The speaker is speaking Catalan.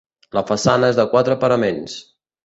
La façana és de quatre paraments.